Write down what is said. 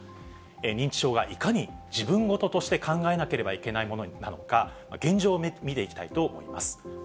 認知症がいかに自分事として考えなければいけないものなのか、現状を見ていきたいと思います。